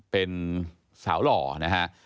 เป็นสาวหล่อนะฮะ